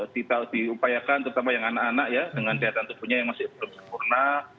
diupayakan terutama yang anak anak ya dengan daya tahan tubuhnya yang masih belum sempurna